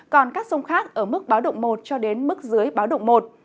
còn các sông khác ở mức báo động một cho đến mức dưới báo động một